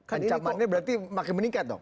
ancamannya makin meningkat dong